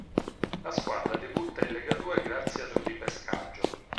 La squadra debutta in Legadue grazie ad un ripescaggio.